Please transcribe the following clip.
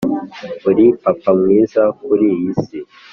uri papa mwiza kuriyi si